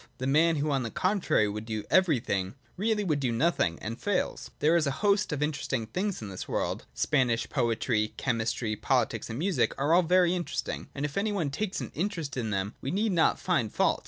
The man who, on the contrary, would | do everything, really would do nothing, and fails. There is a host of interesting things in the world : Spanish poetry, chemistry, politics, and music are all very interesting, and if any one takes an interest in them we need not find fault.